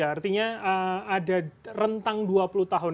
artinya ada rentang dua puluh tahun